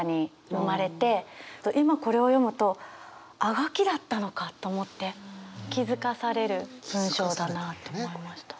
今これを読むとあがきだったのかと思って気付かされる文章だなと思いました。